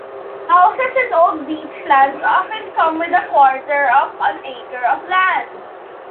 Houses in old Beachlands often come with a quarter of an acre of land.